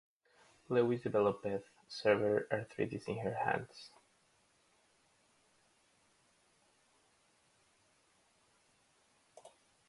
Lewis developed severe arthritis in her hands.